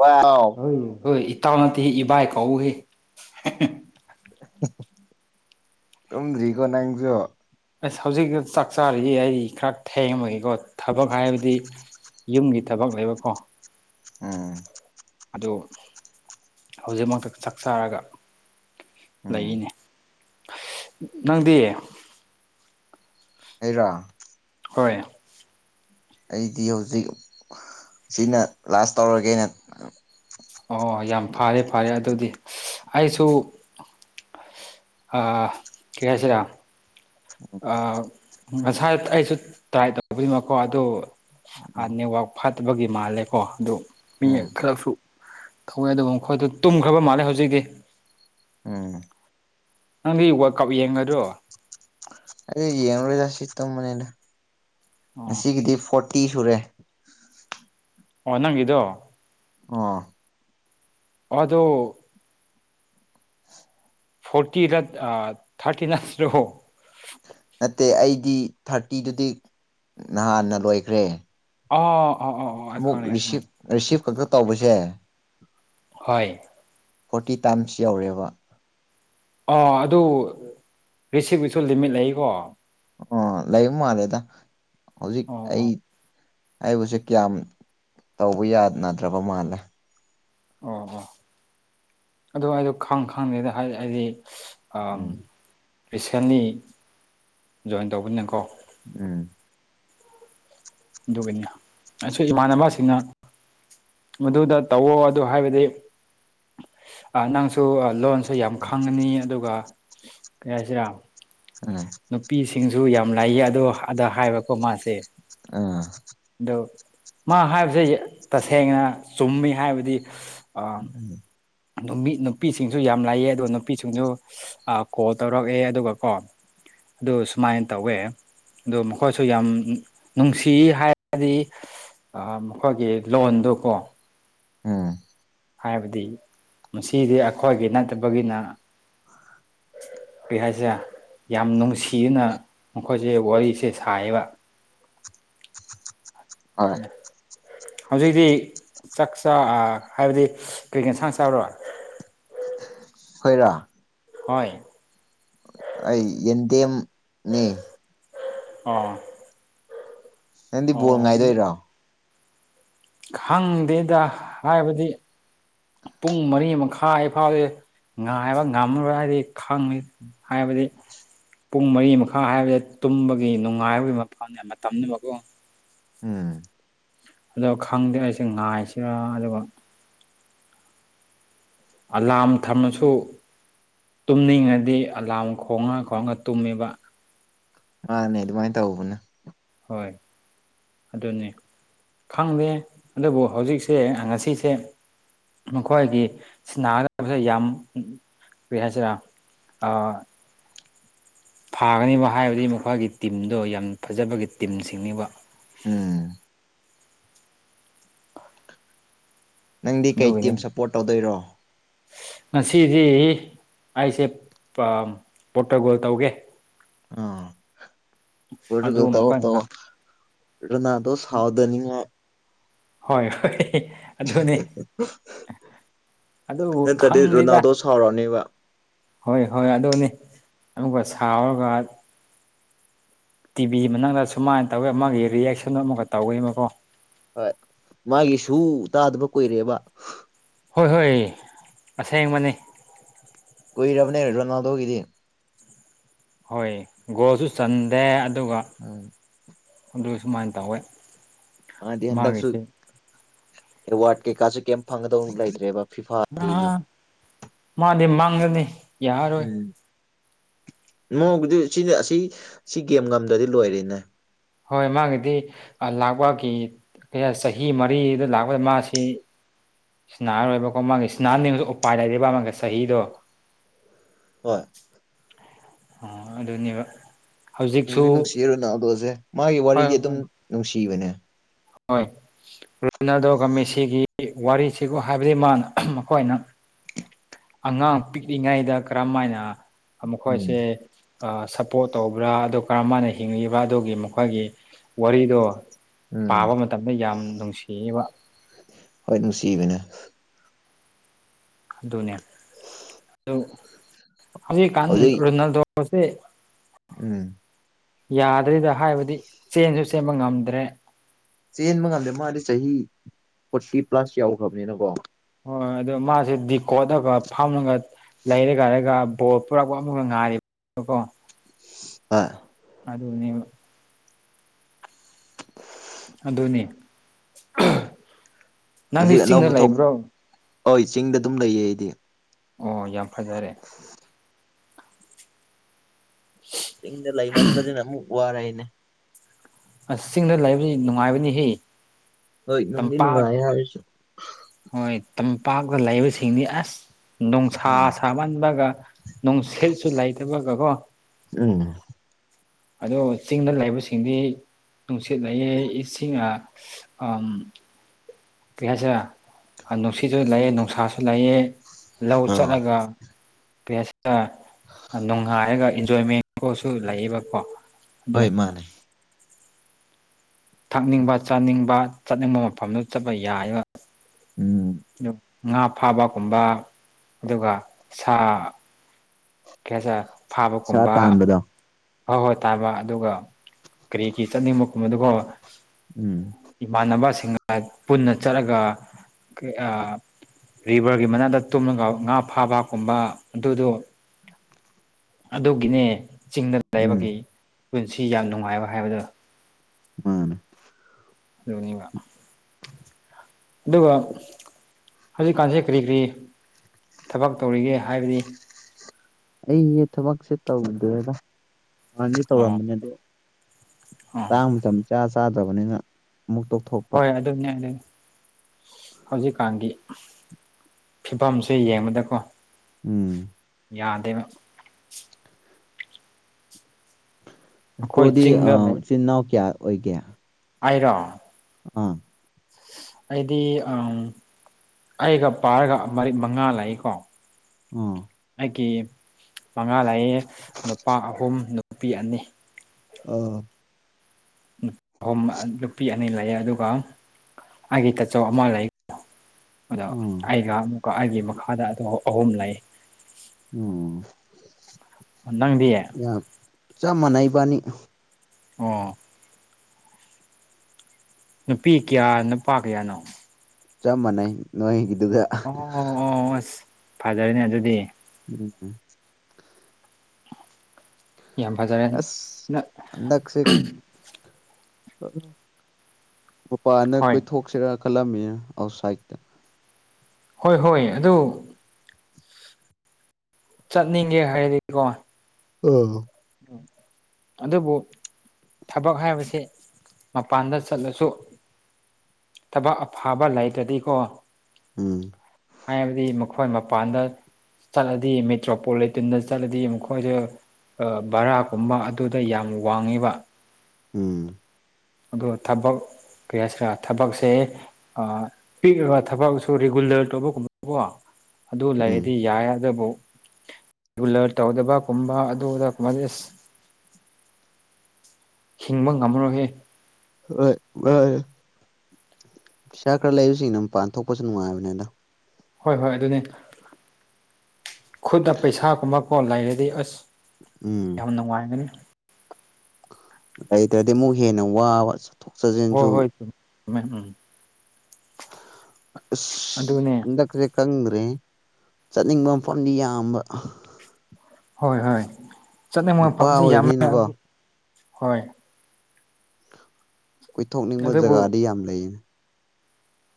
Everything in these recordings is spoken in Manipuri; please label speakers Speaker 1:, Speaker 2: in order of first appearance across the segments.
Speaker 1: ꯋꯥꯎ
Speaker 2: ꯍ ꯍꯣꯏ ꯏꯇꯥꯥꯎ ꯅ ꯏꯕꯥꯏ ꯀꯧ ꯍꯦ
Speaker 1: ꯇꯗꯔꯤ ꯀꯣ ꯅꯪꯁꯨꯣ
Speaker 2: ꯑꯁ ꯍꯧꯖꯤꯛꯇ ꯆꯥꯛ ꯆꯥꯔꯤꯁꯤ ꯑꯩ ꯈꯔ ꯊꯦꯡꯃꯒꯦꯀꯣ ꯊꯕꯛ ꯍꯥꯏꯕꯗꯤ ꯌꯨꯝꯒꯤ ꯊꯕꯛ ꯂꯩꯕꯀꯣ
Speaker 1: ꯎꯝ
Speaker 2: ꯑꯗꯨ ꯍꯧꯖꯤꯛꯃꯛꯇ ꯆꯥꯛ ꯆꯥꯔꯒ
Speaker 1: ꯎꯝ
Speaker 2: ꯂꯩꯔꯤꯅꯦ ꯅꯪꯗꯤ
Speaker 1: ꯑꯦꯔ
Speaker 2: ꯍꯣꯏ
Speaker 1: ꯑꯩꯗꯤ ꯍꯧꯖꯤꯛ ꯁꯤꯅ ꯂꯥꯁ ꯇꯧꯔꯒꯦꯅ
Speaker 2: ꯑꯣ ꯌꯥꯝ ꯐꯔꯦ ꯐꯔꯦ ꯑꯗꯨꯗꯤ ꯑꯩꯁꯨ ꯀꯩ ꯍꯥꯏꯁꯤꯔ ꯉꯁꯥꯏ ꯑꯩꯁꯨ ꯇ꯭ꯔꯥꯏ ꯇꯧꯕꯅꯤꯃꯀꯣ ꯑ
Speaker 1: ꯎꯝ
Speaker 2: ꯅꯦꯠꯋꯥꯛ ꯐꯠꯇꯕꯒꯤ ꯃꯥꯜꯂꯦꯀꯣ ꯑꯗꯨ ꯃꯤ
Speaker 1: ꯎꯝ
Speaker 2: ꯈꯔꯁꯨ ꯇꯧꯋꯦ ꯑꯗꯨꯕꯨ ꯃꯈꯣꯏꯗ ꯇꯨꯝꯈ꯭ꯔꯕ ꯃꯥꯜꯂꯦ ꯍꯧꯖꯤꯛꯀꯤ
Speaker 1: ꯎꯝ
Speaker 2: ꯅꯪꯗꯤ ꯋꯥ ꯀꯞ ꯌꯦꯡꯉꯗꯣ
Speaker 1: ꯑꯗꯦ ꯌꯦꯟꯔ ꯥꯁꯤ ꯏ ꯇ ꯃꯅꯦꯂ
Speaker 2: ꯑꯣ
Speaker 1: ꯁꯤꯒꯤꯗꯤ ꯐ ꯇ ꯁꯨꯔꯦ
Speaker 2: ꯑꯣ ꯅꯪꯗꯣ
Speaker 1: ꯑ
Speaker 2: ꯑꯗꯣ ꯐꯣꯔꯇꯤꯅ ꯑ ꯊꯥꯔꯇꯤꯅꯣ
Speaker 1: ꯅꯠꯇꯦ ꯑꯩꯗꯤ ꯊꯥꯔꯇꯤꯗꯨꯗꯤ ꯅꯍꯥꯟꯅ ꯂꯣꯏꯈ꯭ꯔꯦ
Speaker 2: ꯑꯥ ꯑꯥ ꯑꯥ ꯑꯥ ꯑꯩ ꯈꯪꯉꯦ
Speaker 1: ꯑꯃꯨꯛꯁꯤ
Speaker 2: ꯈꯪꯉꯦ
Speaker 1: ꯔꯤꯁꯤꯞ ꯈꯛꯇ ꯇꯧꯕꯁꯦ
Speaker 2: ꯍꯣꯏ
Speaker 1: ꯐꯣꯔꯇꯤ ꯇꯥꯏꯝꯁ ꯌꯧꯔꯦꯕ
Speaker 2: ꯑ ꯑꯗꯨ ꯔꯤꯁꯤꯞꯀꯤꯁꯨ ꯂꯤꯃꯤꯠ ꯂꯩꯀꯣ
Speaker 1: ꯑꯣ ꯂꯩꯕ ꯃꯥꯜꯂꯦꯗ ꯍꯧꯖꯤꯛ ꯑꯩ
Speaker 2: ꯑꯣ
Speaker 1: ꯑꯩꯕꯨꯁꯦ ꯀꯌꯥꯝ ꯇꯧꯕ ꯌꯥꯅꯗ꯭ꯔꯕ ꯃꯥꯜꯂꯦ
Speaker 2: ꯑꯣ ꯑꯣ ꯑꯗꯨ ꯑꯩꯗꯣ ꯈꯪ ꯈꯪꯗꯦꯗ ꯍꯥꯏ ꯍꯥꯏꯗꯤ
Speaker 1: ꯎꯝ
Speaker 2: ꯔꯤꯁꯦꯟꯂꯤ ꯖꯣꯏꯟ ꯇꯧꯕꯅꯤꯅꯀꯣ
Speaker 1: ꯎꯝ
Speaker 2: ꯑꯗꯨꯒꯅꯤ ꯑꯩ ꯏꯃꯥꯟꯅꯕꯁꯤꯡꯅ ꯃꯗꯨꯗ ꯇꯧꯋꯣ ꯑꯗꯨ ꯍꯥꯏꯕꯗꯤ ꯅꯪꯁꯨ ꯂꯣꯟꯁꯨ ꯌꯥꯝ ꯈꯪꯉꯅꯤ ꯑꯗꯨꯒ ꯀꯩ ꯍꯥꯏꯁꯤꯔꯥ
Speaker 1: ꯎꯝ
Speaker 2: ꯅꯨꯄꯤꯁꯤꯡꯁꯨ ꯌꯥꯝ ꯂꯥꯏꯌꯦ ꯑꯗꯣ ꯑꯗ ꯍꯥꯏꯕꯀꯣ ꯃꯥꯁꯦ
Speaker 1: ꯑꯥ
Speaker 2: ꯑꯗꯣ ꯃꯥ ꯍꯥꯏꯕꯁꯦ ꯇꯁꯦꯡꯅ ꯆꯨꯝꯃꯤ ꯍꯥꯏꯕꯗꯤ
Speaker 1: ꯎ
Speaker 2: ꯅꯨ ꯅꯨꯄꯤꯁꯤꯡꯁꯨ ꯌꯥꯝ ꯂꯥꯏꯌꯦꯦ ꯑꯗꯣ ꯅꯨꯄꯤꯁꯤꯡꯗꯨ ꯀꯣꯜ ꯇꯧꯔꯛꯑꯦ ꯑꯗꯨꯒ ꯀꯣ ꯑꯗꯨꯗ ꯁꯨꯃꯥꯏꯟ ꯇꯧꯋꯦ ꯑꯗꯨ ꯃꯈꯣꯏꯁꯨ ꯌꯥꯝ ꯅꯨꯡꯁꯤ ꯍꯥꯏꯔꯗꯤ ꯃꯈꯣꯏꯒꯤ ꯂꯣꯟꯗꯨꯀꯣ
Speaker 1: ꯑꯝ
Speaker 2: ꯍꯥꯏꯕꯗꯤ ꯃꯁꯤꯗꯤ ꯑꯩꯈꯣꯏꯒꯤ ꯅꯠꯇꯕꯒꯤꯅ ꯄꯍꯖꯥ ꯌꯥꯝ ꯅꯨꯡꯁꯤꯅ ꯃꯈꯣꯏꯁꯦ ꯋꯥꯔꯤꯁꯦ ꯁꯥꯏꯌꯦꯕ
Speaker 1: [unintelligible] ꯍꯣꯏ
Speaker 2: ꯎꯝ ꯍꯧꯖꯤꯛꯇꯤ ꯆꯥꯛ ꯆ ꯍꯥꯏꯕꯗꯤ ꯀꯔꯤꯀꯦꯟꯁꯥꯡ ꯆꯥꯕꯔꯣ
Speaker 1: ꯍꯣꯏꯔ
Speaker 2: ꯍꯣꯏ
Speaker 1: ꯑꯩ ꯑꯦꯟꯗꯦꯝ ꯅ
Speaker 2: ꯑ
Speaker 1: ꯅꯪꯗꯤ ꯕꯣꯜ ꯉꯥꯏꯗꯣꯏꯔꯣ
Speaker 2: ꯈꯪꯗꯦꯗ ꯍꯥꯏꯕꯗꯤ ꯄꯨꯡ ꯃꯔꯤ ꯃꯈꯥꯏ ꯐꯥꯎꯗꯤ ꯉꯥꯏꯕ ꯉꯥꯝꯃꯕ꯭ꯔ ꯍꯥꯏꯗꯤ ꯈꯪꯉ ꯍꯥꯏꯕꯗꯤ ꯄꯨꯡ ꯃꯔꯤ ꯃꯈꯥ ꯍꯥꯏꯕꯗ ꯇꯨꯝꯕꯒꯤ ꯅꯨꯡꯉꯥꯏꯕꯒꯤ ꯃꯐꯝꯅꯦ ꯃꯇꯝꯗꯨꯃꯀꯣ
Speaker 1: ꯎꯝ
Speaker 2: ꯑꯗꯣ ꯈꯪꯗꯦ ꯑꯩꯁꯦ ꯉꯥꯏꯁꯤꯔ ꯑꯗꯨꯒ ꯑꯂꯥꯝ ꯊꯝꯃꯁꯨ ꯇꯨꯝꯅꯤꯡꯉꯗꯤ ꯑꯂꯥꯝ ꯈꯣꯡꯉ ꯈꯣꯡꯉ ꯇꯨꯝꯃꯤꯕ
Speaker 1: ꯑꯅꯦ ꯑꯗꯨ ꯃꯥꯥꯏ ꯇ ꯍꯕꯅꯦ
Speaker 2: ꯍꯣꯏ ꯑꯗꯨꯅꯤ ꯈꯪꯗꯦ ꯑꯗꯨꯕꯨ ꯍꯧꯖꯤꯛꯁꯦ ꯉꯁꯤꯁꯦ ꯃꯈꯣꯏꯒꯤ ꯁꯤ ꯒꯗꯕꯁꯦ ꯌꯥꯝ ꯀꯔꯤ ꯍꯥꯏꯁꯤꯔꯥ ꯑ ꯐꯥꯒꯅꯤꯕ ꯍꯥꯏꯕꯗꯤ ꯃꯈꯣꯏꯒꯤ ꯇꯤꯝꯗꯣ ꯌꯥꯝ ꯐꯖꯕꯒꯤ ꯇꯤꯝꯁꯤꯡꯅꯤꯕ
Speaker 1: ꯎꯝ ꯅꯪꯗꯤ ꯀꯩ ꯇꯤꯝ
Speaker 2: ꯑꯗꯨꯒꯤꯅꯤ
Speaker 1: ꯁꯞꯄꯣꯔꯠ ꯇꯧꯗꯣꯏꯔꯣ
Speaker 2: ꯉꯁꯤꯗꯤ ꯑꯩꯁꯦ ꯄꯣꯔꯇꯒꯣꯜ ꯇꯧꯒꯦ
Speaker 1: ꯑ ꯑꯣꯏ
Speaker 2: ꯑꯗꯨ
Speaker 1: ꯇ ꯇ
Speaker 2: ꯃꯈꯣꯏꯅ
Speaker 1: ꯔꯅꯥꯗꯣ ꯁꯥꯎꯗꯅꯤꯡꯉ
Speaker 2: ꯍꯣꯏ ꯍꯣꯏ ꯑꯗꯨꯅꯦ ꯑꯗꯨꯕꯨ
Speaker 1: ꯅꯠꯇ꯭ꯔꯗꯤ
Speaker 2: ꯈꯪꯅꯤꯗ
Speaker 1: ꯔꯣꯅꯥꯜꯗꯣ ꯁꯥꯎꯔꯅꯦꯕ
Speaker 2: ꯍꯣꯏ ꯍꯣꯏ ꯑꯗꯨꯅꯤ ꯑꯗꯨꯒ ꯁꯥꯎꯔꯒ ꯇꯤꯚꯤ ꯃꯅꯨꯡꯗ ꯁꯨꯃꯥꯏꯅ ꯇꯧꯋꯤ ꯑꯃꯒꯤ ꯔꯤꯌꯦꯁꯟ ꯑꯃꯒ ꯇꯧꯋꯦꯕꯀꯣ
Speaker 1: ꯍꯣꯏ ꯃꯥꯒꯤ ꯁꯨ ꯇꯥꯗꯕ ꯀꯨꯏꯔꯦꯕ
Speaker 2: ꯍꯣꯏ ꯍꯣꯏ ꯑꯁꯦꯡꯕꯅꯤ
Speaker 1: ꯀꯣꯏ ꯔꯕꯅꯦ ꯔꯔꯣꯅꯗꯧꯒꯤꯗꯤ
Speaker 2: ꯍꯣꯏ ꯒꯣꯁꯨ ꯆꯟꯗꯦ ꯑꯗꯨꯒ
Speaker 1: ꯎꯝ
Speaker 2: ꯑꯗꯨ ꯁꯨꯃꯥꯏꯅ ꯇꯧꯧꯦ
Speaker 1: ꯍꯥꯏꯗꯤ ꯍꯟꯗꯛꯁꯨ ꯑꯦꯋꯥꯔꯗ ꯀꯩꯀꯥꯁꯨ ꯀꯩꯝ ꯐꯪꯒꯗꯧ ꯂꯩꯇ꯭ꯔꯦꯕ ꯐꯤꯐꯥꯗꯒꯤꯗꯤ
Speaker 2: ꯑ ꯃꯥꯗꯤ ꯃꯥꯡꯒꯅꯤ ꯌꯥꯔꯣꯏ
Speaker 1: ꯅꯣꯡꯗꯤ ꯁꯤꯅꯦ ꯑꯁꯤ ꯁꯤ ꯒꯦꯝ ꯉꯝꯗ꯭ꯔꯗꯤ ꯂꯣꯏꯔꯅꯦ
Speaker 2: ꯍꯣꯏ ꯃꯥꯒꯤꯗꯤ ꯂꯥꯛꯄꯒꯤ ꯆꯍꯤ ꯃꯔꯤꯗ ꯂꯥꯛꯄꯗ ꯃꯥꯁꯤ ꯁꯤꯅꯥꯍꯔꯣꯏꯕꯀꯣ ꯃꯥꯡꯒꯦ ꯁꯤꯅꯥꯍꯟꯅꯤꯡꯁꯨ ꯎꯄꯥꯏ ꯂꯩꯕ ꯃꯃꯥꯡꯒꯦ ꯆꯍꯤꯗꯣ
Speaker 1: ꯍꯣꯏ
Speaker 2: ꯑꯣ ꯑꯗꯨꯗꯅꯤꯕ
Speaker 1: ꯗꯤ ꯅꯨꯡꯁꯤꯔꯔꯨꯅ ꯑꯗꯣꯁꯦ ꯃꯥꯒꯤ ꯋꯥꯔꯤꯗꯤ ꯑꯗꯨꯝ ꯅꯨꯡꯁꯤꯕꯅꯦ
Speaker 2: ꯍ ꯔꯣꯅꯥꯗꯣ ꯑꯃ ꯃꯁꯤꯒꯤ ꯋꯥꯔꯤꯁꯤ ꯍꯥꯏꯕꯗꯤ ꯃꯥꯅ ꯃꯈꯣꯏꯅ ꯑꯉꯥꯡ ꯄꯤꯛꯂꯤꯉꯩꯗ ꯀꯔꯝꯃ ꯍꯥꯏꯅ
Speaker 1: ꯎꯝ
Speaker 2: ꯃꯈꯣꯏꯁꯦ ꯁꯞꯄꯣꯔꯠ ꯇꯧꯕ꯭ꯔꯥ ꯑꯗꯨ ꯀꯔꯝ ꯍꯥꯏꯅ ꯍꯤꯡꯂꯤꯤꯕ꯭ꯔꯥ ꯑꯗꯨꯒꯤ ꯃꯈꯣꯏꯒꯤ ꯋꯥꯔꯤꯗꯣ
Speaker 1: ꯎꯝ
Speaker 2: ꯄꯥꯕ ꯃꯇꯝꯗ ꯌꯥꯝ ꯅꯨꯡꯁꯤꯕ
Speaker 1: ꯍꯣꯏ ꯅꯨꯡꯁꯤꯕꯅꯦ
Speaker 2: ꯑꯗꯨꯗꯅꯦ ꯑ ꯑ
Speaker 1: ꯍꯧꯖꯤꯛ
Speaker 2: ꯀꯗ ꯐꯁꯦ
Speaker 1: ꯎꯝ
Speaker 2: ꯌꯥꯗ꯭ꯔꯤꯗ ꯍꯥꯏꯕꯗꯤ ꯆꯦꯟꯁꯨ ꯆꯦꯟꯕ ꯉꯝꯗ꯭ꯔꯦ
Speaker 1: ꯆꯦꯟꯕ ꯉꯝꯗꯦ ꯃꯥꯗꯤ ꯆꯍꯤ ꯐꯣꯔꯇꯤ ꯄ꯭ꯂꯁ ꯌꯥꯎꯈ꯭ꯔꯕꯅꯤꯅꯀꯣ
Speaker 2: ꯍꯣꯏꯣꯏ ꯑꯗꯨꯗꯣ ꯃꯥꯁꯦ ꯗꯤ ꯀꯣꯠꯂꯒ ꯐꯝꯃꯒ ꯂꯩꯔꯒꯔꯒ ꯕꯣꯜ ꯄꯨꯔꯛꯄ ꯑꯃꯛ ꯉꯥꯔꯤꯕꯀꯣ
Speaker 1: ꯑ
Speaker 2: ꯑ ꯑꯗꯨꯕ ꯑꯗꯨꯅꯤ ꯅꯪꯗꯤ ꯆꯤꯡꯗ ꯂꯩꯕ꯭ꯔꯣ
Speaker 1: ꯍ ꯆꯤꯡꯗ ꯑꯗꯨꯝ ꯂꯩꯌꯦ ꯑꯩꯗꯤ
Speaker 2: ꯑꯣ ꯌꯥꯝ ꯐꯖꯔꯦ
Speaker 1: ꯆꯤꯡꯗ ꯂꯩꯃꯟꯕꯁꯤꯅ ꯑꯃꯨꯛ ꯋꯥꯔꯦꯅꯦ
Speaker 2: ꯑꯁ ꯆꯤꯡꯗ ꯂꯩꯕꯗꯤ ꯅꯨꯡꯉꯥꯏꯕꯅꯤꯍꯦ
Speaker 1: ꯍꯣꯏ ꯅꯨꯡꯗꯤ
Speaker 2: ꯇꯝꯄꯥꯛ
Speaker 1: ꯅꯨꯡꯉꯥꯏ ꯍꯥꯏꯔꯁꯨ
Speaker 2: ꯍꯣꯏ ꯇꯝꯄꯥꯛꯇ ꯂꯩꯕꯁꯤꯡꯗꯤ ꯑꯁ ꯅꯨꯡꯁꯥ
Speaker 1: ꯎꯝ
Speaker 2: ꯁꯥꯃꯟꯕꯒ ꯅꯨꯡꯁꯤꯠꯁꯨ ꯂꯩꯇꯕꯒꯀꯣ
Speaker 1: ꯎꯝ
Speaker 2: ꯑꯗꯣ ꯆꯤꯡꯗ ꯂꯩꯕꯁꯤꯡꯗꯤ ꯅꯨꯡꯁꯤꯠ ꯂꯩꯌꯦ ꯏꯁꯤꯡ ꯑꯝ ꯀꯌ꯭ꯥꯁꯥ ꯍꯥꯏ ꯅꯨꯡꯁꯤꯠꯁꯨ ꯂꯩꯑꯦ ꯅꯨꯡꯁꯥꯁꯨ ꯂꯩꯑꯦ ꯂꯧ
Speaker 1: ꯑꯥ
Speaker 2: ꯆꯠꯂꯒ ꯄꯦꯁ ꯅꯨꯡꯉꯥꯏꯔꯒ ꯏꯟꯖꯣꯏꯃꯦꯟ ꯀꯁꯨ ꯂꯩꯌꯦꯕꯀꯣ ꯑꯗꯣ
Speaker 1: ꯍꯣꯏ ꯃꯥꯅꯤ
Speaker 2: ꯊꯛꯅꯤꯡꯕ ꯆꯥꯅꯤꯡꯕ ꯆꯠꯅꯤꯡꯕ ꯃꯐꯝꯗꯥ ꯆꯠꯄ ꯌꯥꯏꯕ
Speaker 1: ꯎꯝ
Speaker 2: ꯉꯥ ꯐꯥꯕꯒꯨꯝꯕ ꯑꯗꯨꯒ ꯁꯥ ꯀꯩꯁꯦ
Speaker 1: ꯁꯥ
Speaker 2: ꯐꯥꯕꯒꯨꯝꯕ
Speaker 1: ꯇꯥꯟꯕꯗꯣ
Speaker 2: ꯍꯣꯏ ꯍꯣꯏ ꯇꯥꯕ ꯑꯗꯨꯒ ꯀꯔꯤꯒꯤ ꯆꯠꯅꯤꯡꯕ ꯈꯨꯝ ꯑꯗꯨꯒ
Speaker 1: ꯎꯝ
Speaker 2: ꯏꯃꯥꯟꯅꯕꯁꯤꯡꯒ ꯄꯨꯟꯅ ꯆꯠꯂꯒ ꯚꯔꯒꯤ ꯃꯅꯥꯛꯇ ꯇꯨꯝꯂꯒ ꯉꯥ ꯐꯥꯕꯀꯨꯝꯕ ꯑꯗꯨꯗꯨ ꯑꯗꯨꯒꯤꯅꯦ ꯆꯤꯡꯗ
Speaker 1: ꯎꯝ
Speaker 2: ꯂꯩꯕꯒꯤ ꯄꯨꯟꯁꯤ ꯌꯥꯝ ꯅꯨꯡꯉꯥꯏꯕ ꯍꯥꯏꯕꯗꯣ
Speaker 1: ꯃꯥꯅ
Speaker 2: ꯑꯗꯨꯒꯥ ꯍꯧꯖꯤꯛꯀꯥꯟꯁꯦ ꯀꯔꯤ ꯀꯔꯤ ꯊꯕꯛ ꯇꯧꯔꯤꯒꯦ ꯍꯥꯏꯕꯗꯤ
Speaker 1: ꯑꯩ ꯊꯕꯛꯁꯦ ꯇꯧꯕꯗꯗ ꯋꯥꯥꯡꯗꯤ
Speaker 2: ꯑꯣ
Speaker 1: ꯇꯧꯔꯝꯕꯅꯦ ꯑꯗꯨ
Speaker 2: ꯑꯣ
Speaker 1: ꯆꯥꯡ ꯃꯇꯝ ꯆꯥ ꯆꯥꯗꯕꯅꯤꯅ
Speaker 2: ꯍꯣꯏ ꯑꯗꯨꯅꯦ ꯑꯗꯨ ꯍꯧꯖꯤꯛꯀꯥꯟꯒꯤ ꯐꯤꯕꯝꯁꯦ ꯌꯦꯡꯕꯗꯀꯣ
Speaker 1: ꯎꯝ
Speaker 2: ꯌꯥꯗꯦꯕ ꯑꯩꯈꯣꯏ
Speaker 1: ꯄ꯭ꯔꯣꯗꯤ
Speaker 2: ꯆꯤꯡꯗ
Speaker 1: ꯆꯤꯟ ꯏꯅꯥꯎ ꯀꯌꯥ ꯑꯣꯏꯒꯦ
Speaker 2: ꯍꯥꯏꯔꯣ
Speaker 1: ꯑꯥ
Speaker 2: ꯑꯩꯗꯤ ꯑꯩꯒ ꯄꯥꯔꯒ ꯃꯔꯤꯛ ꯃꯉꯥ ꯂꯏꯀꯣ
Speaker 1: ꯑꯥ
Speaker 2: ꯑꯩꯒꯤ ꯃꯉꯥ ꯂꯌꯦ ꯅꯨꯄꯥ ꯑꯍꯨꯝ ꯅꯨꯄꯤ ꯑꯅꯤ
Speaker 1: ꯑꯥ
Speaker 2: ꯑꯍꯨꯝ ꯅꯨꯄꯤ ꯑꯅꯤ ꯂꯩ ꯑꯗꯨꯒ ꯑꯩꯒꯤ ꯇꯥꯆꯧ ꯑꯃ ꯂꯩꯨ ꯑꯗꯣ
Speaker 1: ꯎꯝ
Speaker 2: ꯑꯩꯒ ꯑꯃꯨꯛꯀ ꯑꯩꯒꯤ ꯃꯈꯥꯗ ꯑ ꯑꯍꯨꯝ ꯂꯩ
Speaker 1: ꯎꯝ
Speaker 2: ꯅꯪꯗꯤ
Speaker 1: ꯌꯥꯝ ꯆ ꯃꯅꯥꯏꯕꯅꯤ
Speaker 2: ꯑꯣ ꯅꯨꯄꯤ ꯀꯌꯥ ꯅꯨꯄꯥ ꯀꯌꯥꯅꯣ
Speaker 1: ꯆꯝ ꯃꯅꯩ ꯅꯣꯏ
Speaker 2: ꯑꯣ ꯑꯣ ꯑꯁ ꯐꯖꯔꯅꯦ ꯑꯗꯨꯗꯤ
Speaker 1: [unintelligible]
Speaker 2: ꯌꯥꯝꯐꯖꯔꯦ
Speaker 1: ꯑꯁ ꯃꯄꯥꯅ
Speaker 2: ꯍꯣꯏ
Speaker 1: ꯀꯣꯏꯊꯣꯛꯁꯤꯔ ꯈꯂꯝꯃꯤ ꯑꯁꯥꯏꯗ
Speaker 2: ꯍꯣꯏ ꯍꯣꯏ ꯑꯗꯨ ꯆꯠꯅꯤꯡꯒꯦ ꯍꯥꯏꯔꯗꯤꯀꯣ꯫
Speaker 1: ꯎꯝ꯫
Speaker 2: ꯑꯗꯨꯕꯨ ꯊꯕꯛ ꯍꯥꯏꯕꯁꯤ ꯃꯄꯥꯟꯗ ꯆꯠꯂꯁꯨ ꯊꯕꯛ ꯑꯐꯕ ꯂꯩꯇ꯭ꯔꯗꯤꯀꯣ
Speaker 1: ꯎꯝ
Speaker 2: ꯍꯥꯏꯕꯗꯤ ꯑꯩꯈꯣꯏ ꯃꯄꯥꯟꯗ ꯆꯠꯂꯗꯤ ꯃꯦꯇ꯭ꯔꯣꯄꯣꯂꯤꯇꯤꯟꯗ ꯆꯠꯂꯗꯤ ꯃꯈꯣꯏꯁꯨ ꯕꯔꯥꯒꯨꯝꯕ ꯑꯗꯨꯗ ꯌꯥꯝ ꯋꯥꯡꯉꯤꯕ꯫
Speaker 1: ꯎꯝ꯫
Speaker 2: ꯑꯗꯨꯒ ꯊꯕꯛ ꯀ ꯍꯥꯏꯁꯤꯔꯥ ꯊꯕꯛꯁꯦ ꯑ ꯄꯤꯛꯔꯤꯕ ꯊꯕꯛꯁꯨ ꯔꯤꯒꯨꯂꯔ ꯇꯧꯕꯒꯨꯝꯕꯀꯣ꯫ ꯑꯗꯨ
Speaker 1: ꯎꯝ
Speaker 2: ꯂꯩꯔꯗꯤ ꯌꯥꯏ ꯑꯗꯨꯕꯨ ꯔꯤꯒꯨꯂꯔ ꯇꯧꯗꯕ ꯀꯨꯝꯕ ꯑꯗꯨꯗ ꯀꯨꯝꯕꯗꯤ ꯑꯁ ꯍꯤꯡꯕ ꯉꯝꯃꯔꯣꯍꯦ꯫
Speaker 1: ꯍꯣꯏ ꯃꯥꯅꯦ꯫ ꯄꯩꯁꯥ ꯈꯔ ꯂꯩꯕꯁꯤꯡꯅꯝ ꯄꯥꯟ ꯊꯣꯛꯣꯛꯄꯁꯨ ꯅꯨꯡꯉꯥꯏꯕꯅꯦꯗ꯫
Speaker 2: ꯍꯣꯏ-ꯍꯣꯏ ꯑꯗꯨꯅꯤ ꯈꯨꯠꯇ ꯄꯩꯁꯥꯒꯨꯝꯕ ꯀꯣꯟ ꯂꯩꯔꯗꯤ ꯑꯁ꯫
Speaker 1: ꯎꯝ
Speaker 2: ꯌꯥꯝ ꯅꯨꯡꯉꯥꯏꯒꯅꯤ
Speaker 1: ꯑꯗꯗꯗꯤ ꯃꯒꯦꯅ ꯋꯥ
Speaker 2: ꯍꯣꯏ ꯍꯣꯏꯃꯦ ꯎꯝ꯫ ꯑꯗꯨꯅꯦ
Speaker 1: [unintelligible] [unintelligible] ꯆꯠꯅꯤꯡꯕ ꯃꯐꯝꯗꯤ ꯌꯥꯝꯕ꯫
Speaker 2: ꯍꯣꯏ-ꯍꯣꯏ ꯆꯠꯅꯤꯡꯕ
Speaker 1: ꯅꯨꯄꯥ
Speaker 2: ꯃꯐꯝꯁꯤ ꯌꯥꯝꯃꯦ
Speaker 1: ꯑꯣꯏꯕꯅꯤꯅꯀꯣ
Speaker 2: ꯑꯗꯨ ꯍꯣꯏ꯫
Speaker 1: ꯀꯣꯏꯊꯣꯛꯅꯤꯡꯕ ꯖꯒꯥꯗꯤ ꯌꯥꯝ ꯂꯩꯌꯦꯅꯦ꯫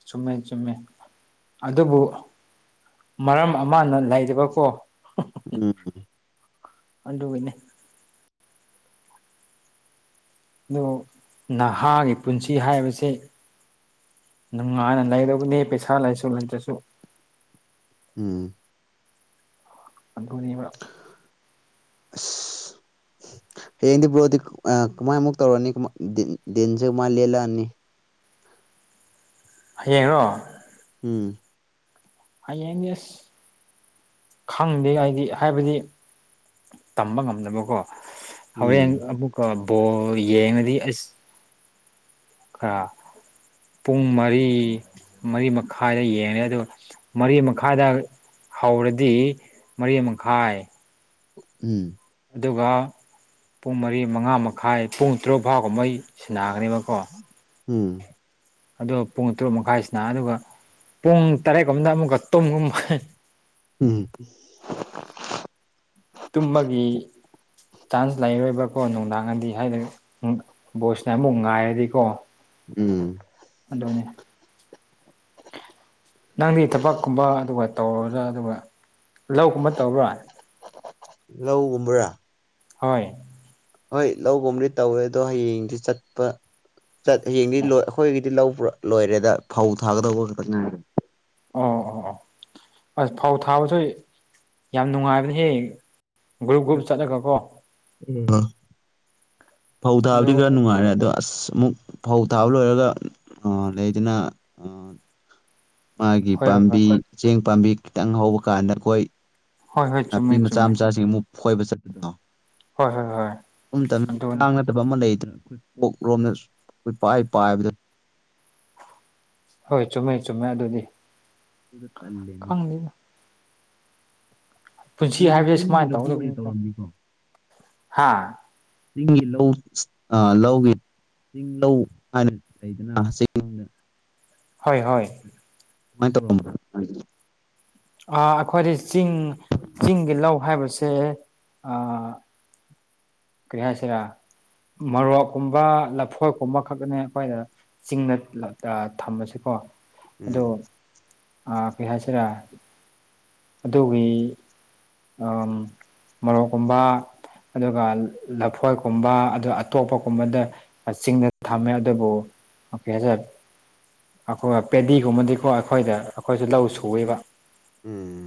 Speaker 2: ꯆꯨꯝꯃꯦ-ꯆꯨꯝꯃꯦ ꯑꯗꯨꯕꯨ ꯃꯔꯝ ꯑꯃꯅ ꯂꯩꯗꯕꯀꯣ
Speaker 1: ꯎꯝ꯫
Speaker 2: ꯑꯟꯗꯨꯒꯤꯅꯤ꯫ ꯑꯗꯨ ꯅꯍꯥꯒꯤ ꯄꯨꯟꯁꯤ ꯍꯥꯏꯕꯁꯦ ꯅꯨꯡꯉꯥꯏꯅ ꯂꯩꯔꯕꯅꯦ ꯄꯩꯁꯥ ꯂꯩꯁꯨ ꯂꯩꯇ꯭ꯔꯁꯨ꯫
Speaker 1: ꯎꯝ꯫
Speaker 2: ꯑꯗꯨꯅꯤꯕ꯫
Speaker 1: ꯑꯁ꯫
Speaker 2: [inaudible]
Speaker 1: ꯍꯌꯦꯡꯗꯤ ꯕ꯭ꯔꯣꯗꯤ ꯑ ꯀꯃꯥꯏꯃꯨꯛ ꯇꯧꯔꯅꯤ ꯗꯤꯟꯁꯦ ꯀꯃꯥꯏ ꯃꯨꯛ ꯂꯦꯜꯂꯛꯑꯅꯤ꯫
Speaker 2: ꯍꯌꯦꯡꯔꫭ꯫
Speaker 1: ꯎꯝ꯫
Speaker 2: ꯍꯌꯦꯡꯗꯤ ꯑꯁ ꯈꯪꯗꯦ ꯍꯥꯏꯗꯤ ꯍꯥꯏꯕꯗꯤ ꯇꯝꯕ ꯉꯝꯗꯕꯀꯣ꯫
Speaker 1: ꯎꯝ
Speaker 2: ꯍꯧꯔꯦꯟ ꯑꯃꯨꯛꯀ ꯕꫭꯜ ꯌꯦꯡꯔꯗꯤ ꯑꯁ ꯈꯔ ꯄꯨꯡ ꯃꯔꯤ ꯃꯔꯤ ꯃꯈꯥꯏꯗ ꯌꯦꯡꯉꯦ ꯑꯗꯨ ꯃꯔꯤ ꯃꯈꯥꯏꯗ ꯍꯧꯔꯗꯤ ꯃꯔꯤ ꯃꯈꯥꯏ
Speaker 1: ꯎꯝ꯫
Speaker 2: ꯑꯗꯨꯒ ꯄꯨꯡ ꯃꯔꯤ ꯃꯉꯥ ꯃꯈꯥꯏ ꯄꯨꯡ ꯇꯔꯨꯛ ꯐꯥꯎꯒꯨꯝ ꯃꯩ ꯁꯤꯟꯅꯥ ꯒꯅꯤꯕꯀꯣ꯫
Speaker 1: ꯎꯝ꯫
Speaker 2: ꯑꯗꯣ ꯄꯨꯡ ꯇꯔꯨꯛ ꯃꯈꯥꯏꯁꯤꯅ ꯑꯗꯨꯒ ꯄꯨꯡ ꯇꯔꯦꯠꯀꯗ ꯑꯃꯨꯛꯀ ꯇꯨꯝꯒꯨꯝ꯫
Speaker 1: ꯎꯝ꯫
Speaker 2: ꯇꯨꯝꯃꯒꯤ ꯆꯥꯟꯁ ꯂꯩꯔꯣꯏꯕ꯭ꯔꯥꯀꯣ ꯅꯨꯡꯗꯥꯡꯉꯗꯤ ꯍꯥꯏꯗꯤ ꯚꯣꯏꯁꯅ ꯑꯃꯨꯛ ꯉꯥꯏꯔꯗꯤꯀꯣ
Speaker 1: ꯎꯝ
Speaker 2: ꯑꯗꯨꯅꯦ [inaudible] ꯅꯪꯗꯤ ꯊꯕꯛꯀꯨꯝꯕ ꯑꯗꯨꯒ ꯇꯧꯔꯕ꯭ꯔꯥ ꯑꯗꯨꯒ ꯂꯧꯒꯨꯝꯕ ꯇꯧꯕ꯭ꯔꯥ
Speaker 1: ꯂꯧꯒꯨꯝꯕ꯭ꯔꯥ
Speaker 2: ꯍꯣꯏ
Speaker 1: ꯍꯣꯏ ꯂꯒꯨꯝꯕꯗꯤ ꯇꯧꯋꯦ ꯑꯗꯣ ꯍꯌꯦꯡꯗꯤ ꯆꯠꯄ ꯍꯌꯦꯡꯗꯤ ꯑꯩꯈꯣꯏꯒꯤꯗꯤ ꯄꯨꯔꯥ ꯂꯣꯏꯔꯦꯗ ꯐꯧ ꯊꯥꯒꯗꯧꯕ ꯈꯛꯇ ꯉꯥꯏꯒ
Speaker 2: ꯑꯣ ꯑꯣ ꯑꯣ ꯑꯁ ꯐꯧ ꯊꯥꯕꯁꯨ ꯌꯥꯝ ꯅꯨꯡꯉꯥꯏꯕꯅꯦ ꯍꯦꯛ ꯒ꯭ꯔꯨꯞ ꯒ꯭ꯔꯨꯞ ꯆꯠꯂꯒꯀꯣ
Speaker 1: ꯎꯝ ꯐꯧ
Speaker 2: ꯑꯗꯨ
Speaker 1: ꯊꯥꯕꯗꯤ ꯈꯔ ꯅꯨꯡꯉꯥꯏꯔꯦ ꯑꯗꯣ ꯑꯁ ꯑꯃꯨꯛ ꯐꯧ ꯊꯥꯕ ꯂꯣꯏꯔꯒ ꯂꯩꯗꯅ ꯃꯥꯒꯤ
Speaker 2: ꯍꯣꯏ ꯍꯣꯏ ꯍꯣꯏ
Speaker 1: ꯄꯥꯝꯕꯤ ꯆꯦꯡ ꯄꯥꯝꯕꯤ ꯈꯤꯇꯪ ꯍꯧꯕ ꯀꯥꯟꯗ ꯑꯩꯈꯣꯏ
Speaker 2: ꯍꯣꯏ ꯍꯣꯏ
Speaker 1: ꯅꯥꯄꯤ
Speaker 2: ꯆꯨꯝꯃꯦ
Speaker 1: ꯃꯆꯥ
Speaker 2: ꯆꯨꯝꯃꯦ
Speaker 1: ꯃꯆꯥꯁꯤꯡ ꯑꯃꯨꯛ ꯐꯣꯏꯕ ꯆꯠꯄꯗꯅꯣ
Speaker 2: ꯍꯣꯏ ꯍꯣꯏ ꯍꯣꯏ
Speaker 1: ꯎꯝꯇꯗꯤ
Speaker 2: ꯑꯗꯨꯅꯤ
Speaker 1: ꯀꯥꯡꯉꯗꯕ ꯑꯃ ꯂꯩꯗꯅ ꯑꯩꯈꯣꯏ ꯀꯣꯛ ꯂꯣꯝꯅ ꯑꯩꯈꯣꯏ ꯄꯥꯏ ꯄꯥꯏꯕꯗ
Speaker 2: ꯍꯣꯏ ꯆꯨꯝꯃꯦ ꯆꯨꯝꯃꯦ ꯑꯗꯨꯗꯤ
Speaker 1: ꯎꯝ꯫
Speaker 2: ꯈꯪꯪꯗꯦꯗ꯫
Speaker 1: ꯅꯣꯏꯗꯤ
Speaker 2: ꯍꯥꯏꯕꯁꯦ
Speaker 1: ꯆꯤꯡꯒꯤ
Speaker 2: ꯁꯨꯃꯥꯏꯅ
Speaker 1: ꯂꯧꯕꯨꯛ ꯑꯣꯏꯅ
Speaker 2: ꯇꯧꯒꯗꯕꯅꯤꯀꯣ
Speaker 1: ꯇꯧꯔꯝꯅꯤꯀꯣ꯫
Speaker 2: ꯍꯥ
Speaker 1: ꯆꯤꯡꯒꯤ ꯂꯧ ꯑꯥ ꯂꯧꯒꯤ ꯆꯤꯡ ꯂꯧꯧ ꯍꯥꯏꯅ ꯂꯩꯗꯨꯅ ꯍꯁꯤꯡꯅ
Speaker 2: ꯍꯣꯏ ꯍꯣꯏ
Speaker 1: ꯃꯥꯏ ꯇꯧ
Speaker 2: ꯑꯩꯈꯣꯏꯗꯤ ꯆꯤꯡ ꯆꯤꯡꯒꯤ ꯂꯧ ꯍꯥꯏꯕꯁꯦ ꯀꯔꯤ ꯍꯥꯏꯁꯤꯔꯥ ꯃꯣꯔꯣꯛꯀꯨꯝꯕ ꯂꯐꯣꯛꯀꯨꯝꯕ ꯈꯛꯅꯦ ꯑꯩꯈꯣꯏꯗ ꯆꯤꯡꯗ ꯊꯝꯃꯁꯤꯀꯣ
Speaker 1: ꯎꯝ
Speaker 2: ꯥ ꯀꯩ ꯍꯥꯏꯁꯤꯔꯥ ꯑꯗꯨꯒꯤ ꯑ ꯃ ꯀꯨꯝꯕꯥ ꯑꯗꯨꯒ ꯂꯐꯣꯏꯀꯨꯝꯕ ꯑꯗꯨ ꯑꯇꯣꯞꯄꯒꯨꯝꯕꯗ ꯆꯤꯡꯗ
Speaker 1: ꯎꯝ
Speaker 2: ꯊꯝꯃꯦ ꯑꯗꯨꯕꯨ ꯑꯣꯀꯦꯁꯦ ꯑꯩꯈꯣꯏ ꯄꯦꯗꯤꯒꯨꯝꯕꯗꯤꯀꯣ ꯑꯩꯈꯣꯏꯗ ꯑꯩꯈꯣꯏꯁꯨ ꯂꯧ ꯁꯨꯏꯕ
Speaker 1: ꯎꯝ